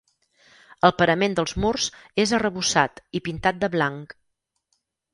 El parament dels murs és arrebossat i pintat de blanc.